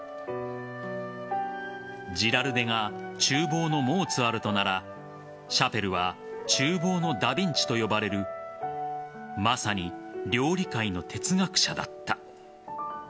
ジラルデが厨房のモーツァルトならシャペルは厨房のダ・ヴィンチと呼ばれるまさに、料理界の哲学者だった。